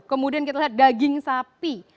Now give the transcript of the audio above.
kemudian kita lihat daging sapi